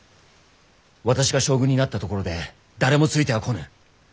私が将軍になったところで誰もついてはこぬ。